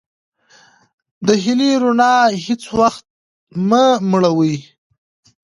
د هیلې رڼا هیڅ وختمه مړوئ.